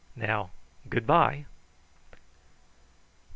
Now, good bye."